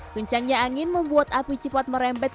kencangnya angin membuat api cepat merembet